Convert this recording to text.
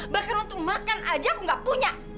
bahkan untuk makan aja aku nggak punya